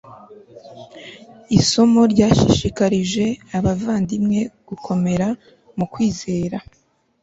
isomo ryashishikarije abavandimwe gukomera mu kwizera